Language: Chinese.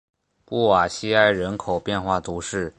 布瓦西埃人口变化图示